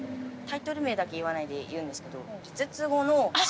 タイトル名だけ言わないで言うんですけど。